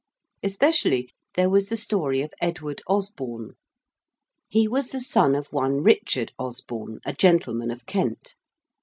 Especially there was the story of Edward Osborne. He was the son of one Richard Osborne, a gentleman of Kent.